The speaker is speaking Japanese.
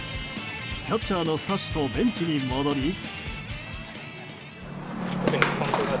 キャッチャーのスタッシとベンチに戻り。